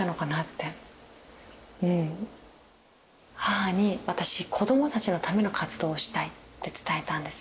うん母に「私子どもたちのための活動をしたい」って伝えたんです。